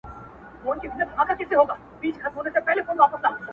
هم په تېښته کي چالاک هم زورور وو!!